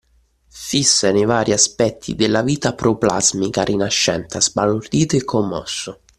Fissano i vari aspetti della vita proplasmica rinascente ha sbalordito e commosso